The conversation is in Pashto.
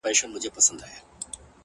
ښكلي دا ستا په يو نظر كي جــادو ـ